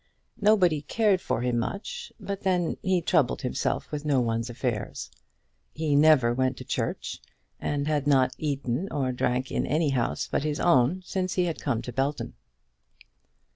Nobody cared for him much; but then he troubled himself with no one's affairs. He never went to church, and had not eaten or drank in any house but his own since he had come to Belton.